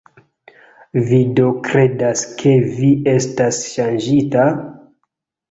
"Vi do kredas ke vi estas ŝanĝita?"